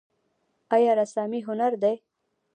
آیا رسامي هنر دی؟